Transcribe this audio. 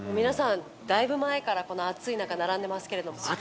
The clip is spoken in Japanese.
皆さん、だいぶ前からこの暑い中、並んでますけれども。